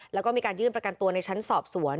แล้วก็มีการยื่นประกันตัวในชั้นสอบสวน